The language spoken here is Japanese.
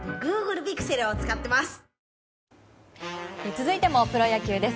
続いてもプロ野球です。